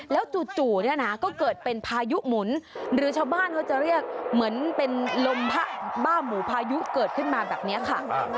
แล้วจู่เนี่ยนะก็เกิดเป็นพายุหมุนหรือชาวบ้านเขาจะเรียกเหมือนเป็นลมบ้าหมูพายุเกิดขึ้นมาแบบนี้ค่ะ